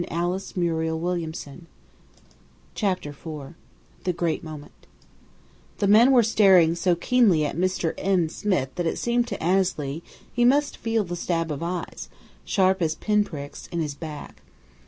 They're coming toward us!" CHAPTER IV THE GREAT MOMENT The men were staring so keenly at "Mr. N. Smith" that it seemed to Annesley he must feel the stab of eyes, sharp as pin pricks, in his back.